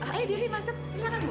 ayo dirli masuk silahkan bu